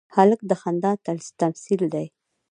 هلک د خندا تمثیل دی.